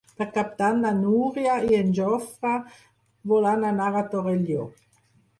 Per Cap d'Any na Núria i en Jofre volen anar a Torelló.